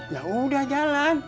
ya udah jalan